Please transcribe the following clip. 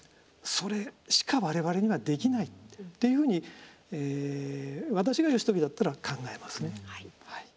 それしか我々にはできないっていうふうに私が義時だったら考えますね。